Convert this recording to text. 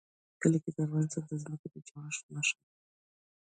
کلي د افغانستان د ځمکې د جوړښت نښه ده.